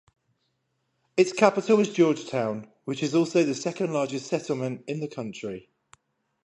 Its capital is Georgetown, which is also the second largest settlement in the country.